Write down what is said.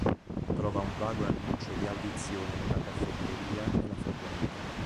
Trova un vago annuncio di audizione in una caffetteria e la frequenta.